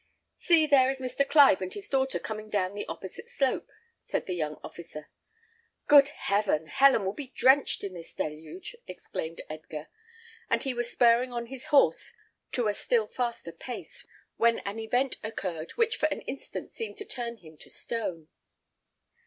"See, there is Mr. Clive and his daughter coming down the opposite slope," said the young officer. "Good heaven! Helen will be drenched in this deluge," exclaimed Edgar; and he was spurring on his horse to a still faster pace, when an event occurred which for an instant seemed to turn him to stone.